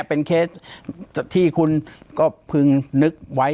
ปากกับภาคภูมิ